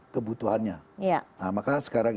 kebutuhannya nah maka sekarang